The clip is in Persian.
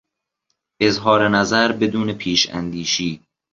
اظهار نظر بدون پیشاندیشی